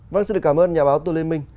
vâng xin được cảm ơn nhà báo tô lê minh